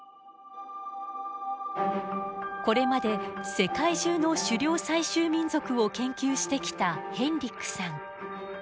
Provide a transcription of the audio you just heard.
これまで世界中の狩猟採集民族を研究してきたヘンリックさん。